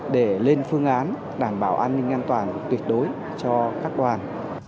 để lên phương án đảm bảo an ninh an toàn tuyệt đối cho các đoàn